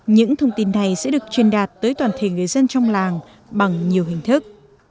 những thông tin này sẽ được truyền đạt tới toàn thể người dân trong làng bằng nhiều hình thức